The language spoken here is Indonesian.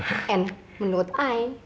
and menurut ayah